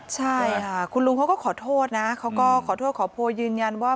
ใช่ค่ะคุณลุงเขาก็ขอโทษนะเขาก็ขอโทษขอโพยยืนยันว่า